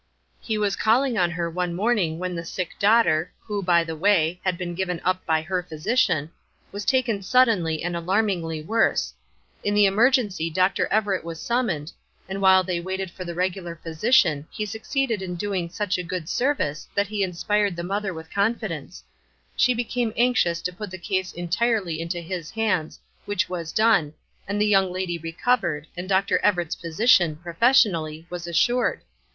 He was calling on her one morning when the sick daughter, who, by the way, had been given up by her physician, was taken suddenly and alarmingly worse; in the emergency Dr. Everett was summoned, and while they waited for the regular physician he succeeded in doing such good service that he inspired the mother with confidence; she became anxious to put the case entirely into his hands, which was done, and the young lady recovered, and Dr. Everett's position, professionally, was assured.